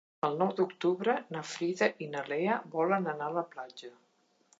El nou d'octubre na Frida i na Lea volen anar a la platja.